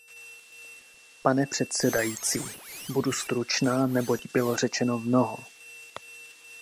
Pane předsedající, budu stručná, neboť bylo řečeno mnoho.